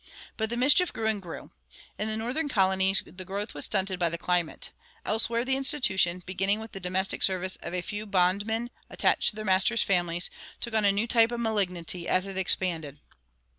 But the mischief grew and grew. In the Northern colonies the growth was stunted by the climate. Elsewhere the institution, beginning with the domestic service of a few bondmen attached to their masters' families, took on a new type of malignity as it expanded.